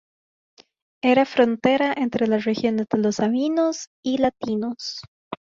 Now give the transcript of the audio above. Era frontera entre las regiones de los sabinos y latinos.